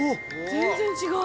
全然違う。